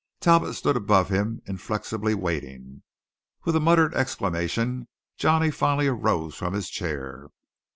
Talbot stood above him, inflexibly waiting. With a muttered exclamation Johnny finally arose from his chair.